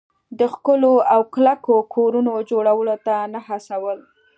د ښکلو او کلکو کورونو جوړولو ته نه هڅول.